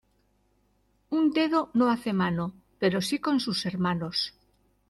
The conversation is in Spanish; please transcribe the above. Un dedo no hace mano, pero sí con sus hermanos.